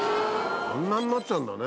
・あんなんなっちゃうんだね。